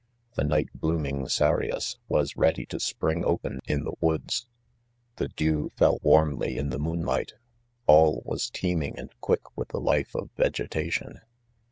The night blooming Cereus was ready to spring open in the woods 5 the dew fell warmly in the moonlight ;— all was teem ing and quick with the life of vegetation.